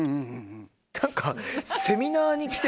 何か。